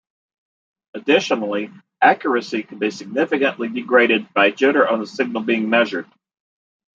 Additionally, accuracy can be significantly degraded by jitter on the signal being measured.